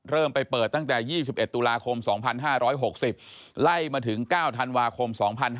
ไปเปิดตั้งแต่๒๑ตุลาคม๒๕๖๐ไล่มาถึง๙ธันวาคม๒๕๕๙